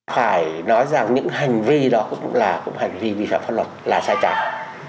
phải nói rằng những hành vi đó cũng là hành vi vi phạm pháp luật là sai trái